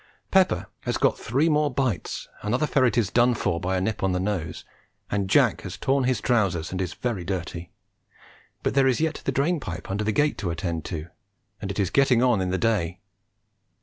Pepper has got three more bites, another ferret is done for by a nip on the nose, and Jack has torn his trousers and is very dirty; but there is yet the drain pipe under the gate to attend to, and it is getting on in the day.